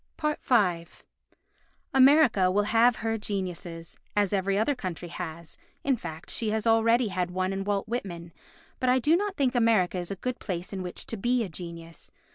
v America will have her geniuses, as every other country has, in fact she has already had one in Walt Whitman, but I do not think America is a good place in which to be a genius.